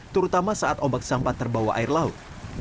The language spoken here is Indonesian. terutama saat ombak sampah terbawa air laut